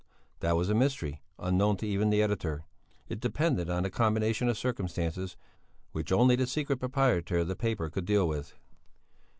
That was a mystery unknown to even the editor; it depended on a combination of circumstances which only the secret proprietor of the paper could deal with.